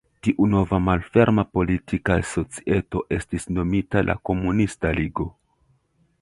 Tiu nova malferma politika societo estis nomita la Komunista Ligo.